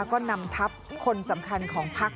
ก็นำทัพคนสำคัญของพัก